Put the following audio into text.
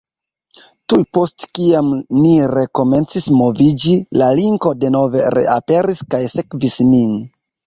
Tuj post kiam ni rekomencis moviĝi, la linko denove reaperis kaj sekvis nin.